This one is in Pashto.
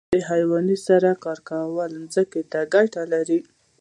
د حیواني سرې کارول ځمکې ته ګټه لري